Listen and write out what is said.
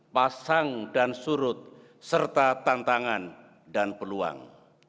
pasang dan surut serta tantangan dan peluang